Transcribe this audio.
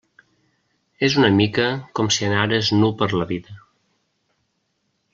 És una mica com si anares nu per la vida.